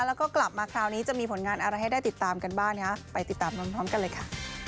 แล้วก็กลับมาคราวนี้จะมีผลงานอะไรให้ได้ติดตามกันบ้างไปติดตามพร้อมกันเลยค่ะ